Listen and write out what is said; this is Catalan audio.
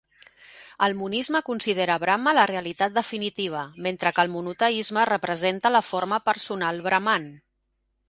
El monisme considera Brahma la realitat definitiva, mentre que el monoteisme representa la forma personal Brahman.